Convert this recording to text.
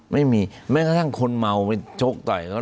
ไม่มีแม้กระทั่งคนเมาไปชกต่อยเขา